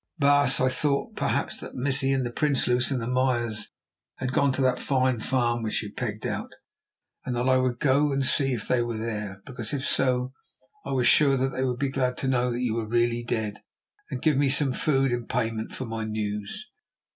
"Baas, I thought perhaps that the Missie and the Prinsloos and the Meyers had gone to that fine farm which you pegged out, and that I would go and see if they were there. Because if so, I was sure that they would be glad to know that you were really dead, and give me some food in payment for my news.